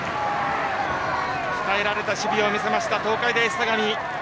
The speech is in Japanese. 鍛えられた守備を見せた東海大相模。